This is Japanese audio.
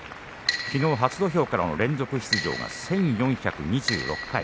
きのう初土俵からの連続出場が１４２６回。